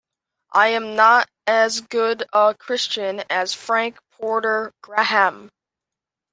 I'm not as good a Christian as Frank Porter Graham.